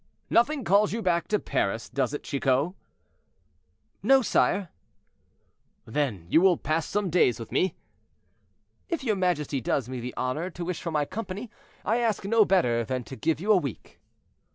"Nothing calls you back to Paris, does it, Chicot?" "No, sire." "Then you will pass some days with me?" "If your majesty does me the honor to wish for my company, I ask no better than to give you a week."